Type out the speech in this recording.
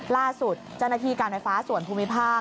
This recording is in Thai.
ล่าสุดเจ้าหน้าที่การไฟฟ้าส่วนภูมิภาค